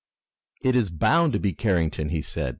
"It is bound to be Carrington!" he said.